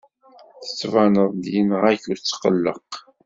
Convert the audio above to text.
Tettbaneḍ-d yenɣa-k utqelleq.